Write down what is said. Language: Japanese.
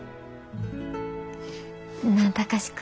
なあ貴司君。